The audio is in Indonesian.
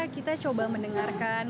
kita coba mendengarkan